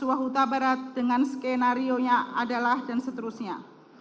wahuda barat dengan skenario yang adalah dan seterusnya